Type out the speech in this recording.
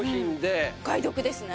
お買い得ですね。